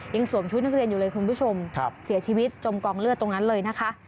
สวมชุดนักเรียนอยู่เลยคุณผู้ชมเสียชีวิตจมกองเลือดตรงนั้นเลยนะคะ